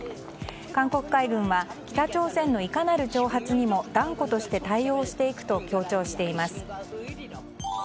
韓国海軍は北朝鮮のいかなる挑発にも断固として対応していくと強調しています。